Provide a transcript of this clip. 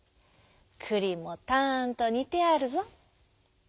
くりもたんとにてあるぞ」。